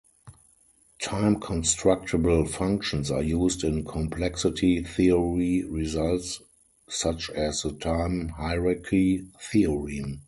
Time-constructible functions are used in complexity theory results such as the time hierarchy theorem.